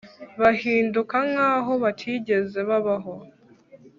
bahinduka nk’aho batigeze babaho,